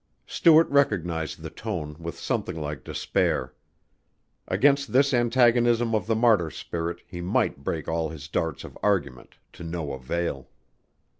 Stuart recognized the tone with something like despair. Against this antagonism of the martyr spirit he might break all his darts of argument, to no avail.